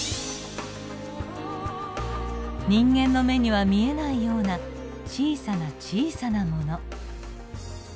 人間の目には見えないような小さな小さなもの。